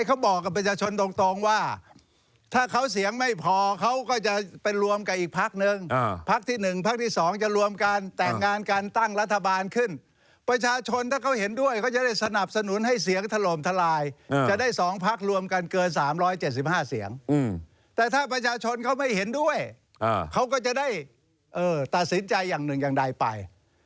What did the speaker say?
คนเขาไม่เห็นด้วยเขาก็จะได้ตัดสินใจอย่างหนึ่งอย่างใดไป